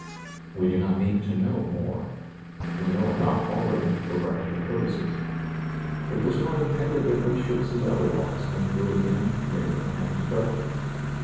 We do not need to know more ; we know enough already for practical pur poses. It was not intended that we should see otherwise than through a dim mirror and darkly.